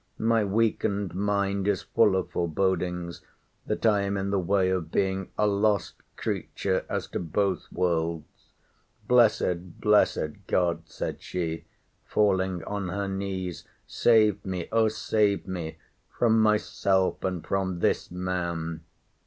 —My weakened mind is full of forebodings, that I am in the way of being a lost creature as to both worlds! Blessed, blessed God, said she, falling on her knees, save me, O save me, from myself and from this man!